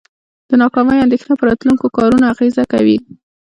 د ناکامۍ اندیښنه په راتلونکو کارونو اغیزه کوي.